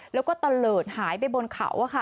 แล้วก็ตะเลิศหายไปบนเขา